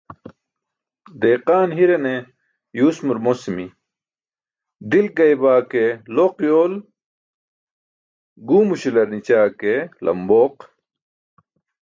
Deqaan hirane yuusmur mosimi: "dilk gaybaa ke loq yool guwmuśalar nićaa ke lambooq."